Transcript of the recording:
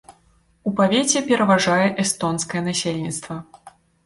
У павеце пераважае эстонскае насельніцтва.